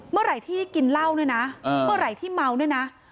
เมื่อไหร่ที่กินเหล้าด้วยนะเมื่อไหร่ที่เมาด้วยนะ